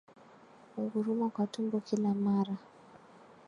Kunguruma kwa tumbo kila mara